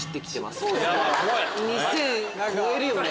２０００超えるよね！